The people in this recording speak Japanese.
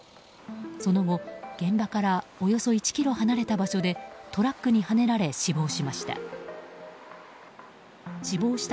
その後、現場からおよそ１ｋｍ離れた場所でトラックにはねられ死亡しました。